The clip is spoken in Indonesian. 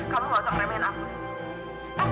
kamu nggak usah meremehin aku nandi